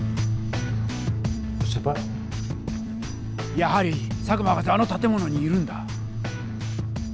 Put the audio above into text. やはり佐久間博士はあのたてものにいるんだ。